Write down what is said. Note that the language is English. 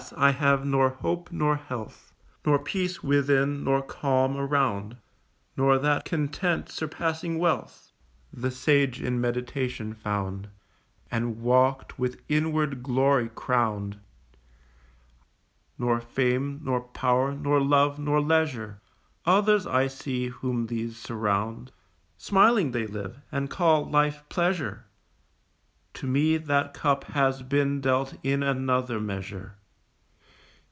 I have nor hope nor health, Nor peace within nor calm around, Nor that content surpassing wealth The sage in meditation found, And walked with inward glory crowned Nor fame nor power, nor love, nor leisure, Others I see whom these surround Smiling they live, and call life pleasure; To me that cup has been dealt in another measure.